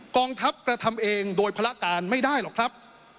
กองทัพกระทำเองโดยภาระการไม่ได้หรอกครับ